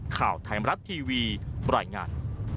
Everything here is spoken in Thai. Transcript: ข่าวไทยมรัฐทีวีบรรยายงาน